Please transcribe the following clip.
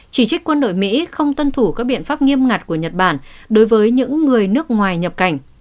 chỉ trích quân đội mỹ không tuân thủ các biện pháp nghiêm ngặt của nhật bản đối với những người nước ngoài nhập cảnh